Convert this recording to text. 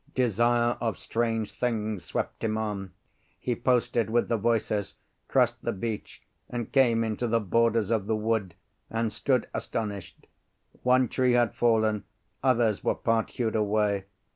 Desire of strange things swept him on. He posted with the voices, crossed the beach, and came into the borders of the wood, and stood astonished. One tree had fallen, others were part hewed away.